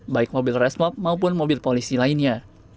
baik mobil resmob maupun mobil polisi lainnya